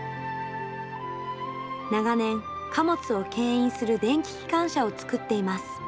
長年、貨物をけん引する電気機関車を作っています。